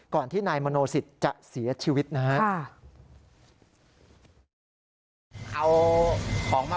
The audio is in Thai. ก่อนที่นายมาโนศิตจะเสียชีวิตนะฮะค่ะ